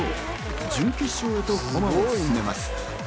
準決勝へと駒を進めます。